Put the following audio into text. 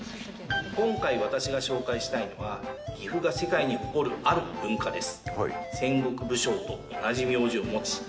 今回私が紹介したいのは、岐阜が世界に誇る、ある文化です。